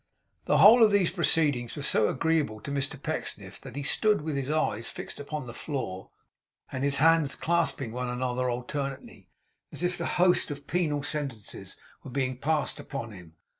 The whole of these proceedings were so agreeable to Mr Pecksniff that he stood with his eyes fixed upon the floor and his hands clasping one another alternately, as if a host of penal sentences were being passed upon him.